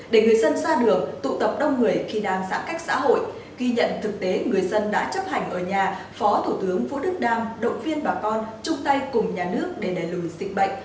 để người dân ra đường tụ tập đông người khi đang giãn cách xã hội ghi nhận thực tế người dân đã chấp hành ở nhà phó thủ tướng vũ đức đam động viên bà con chung tay cùng nhà nước để đẩy lùi dịch bệnh